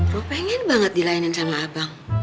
lo pengen banget dilainin sama abang